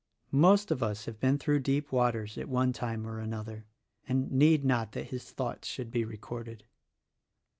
Most of us have been through deep waters at one time or another and need not that his thoughts should be recorded.